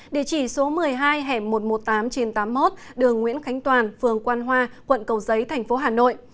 địa chỉ số một mươi hai hẻm một trăm một mươi tám trên tám mươi một đường nguyễn khánh toàn phường quang hoa quận cầu giấy tp hà nội